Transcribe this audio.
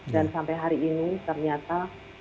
dan sampai hari ini ternyata